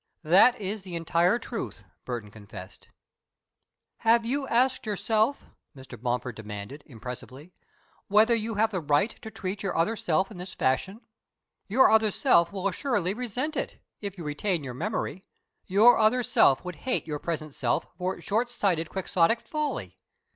"That is the entire truth," Burton confessed. "Have you asked yourself," Mr. Bomford demanded, impressively, "whether you have a right to treat your other self in this fashion? Your other self will assuredly resent it, if you retain your memory. Your other self would hate your present self for its short sighted, quixotic folly.